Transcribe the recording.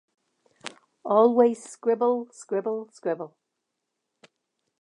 Always scribble, scribble, scribble!